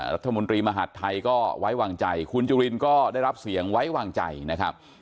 รัฐมนตรีมหาดไทยก็ไว้วางใจคุณจุลินก็ได้รับเสียงไว้วางใจนะครับ